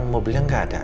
mobilnya nggak ada